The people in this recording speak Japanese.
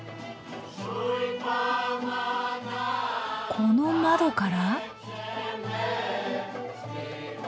この窓から？